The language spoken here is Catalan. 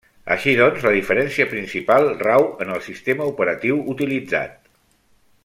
Així doncs la diferència principal rau en el sistema operatiu utilitzat.